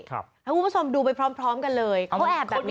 ให้คุณผู้ชมดูไปพร้อมกันเลยเขาแอบแบบนี้